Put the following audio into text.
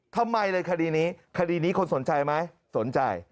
ทำไมเลยคดีนี้คดีนี้คนสนใจไหมสนใจ